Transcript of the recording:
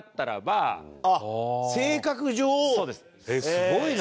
すごいな！